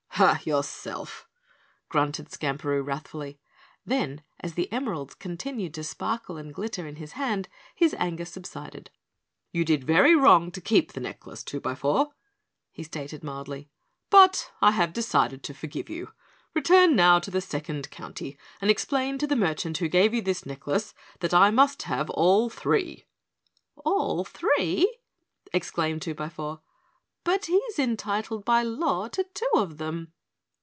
"Hah, yourself!" grunted Skamperoo wrathfully, then as the emeralds continued to sparkle and glitter in his hand his anger subsided. "You did very wrong to keep the necklace, Twobyfour," he stated mildly. "But I have decided to forgive you. Return now to the Second County and explain to the merchant who gave you this necklace that I must have all three." "All three!" exclaimed Twobyfour. "But he's entitled by law to two of them."